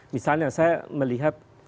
misalnya saya melihat